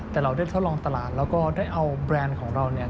แต่เราได้ทดลองตลาดแล้วก็ได้เอาแบรนด์ของเราเนี่ย